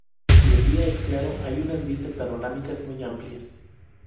Si el día es claro, hay unas vistas panorámicas muy amplias.